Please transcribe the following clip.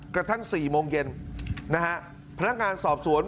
กระทั่ง๔โมงเย็นนะฮะพนักงานสอบสวน